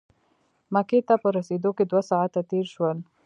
مکې ته په رسېدو کې دوه ساعته تېر شول.